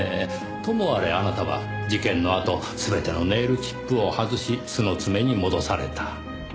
ともあれあなたは事件のあと全てのネイルチップを外し素の爪に戻された。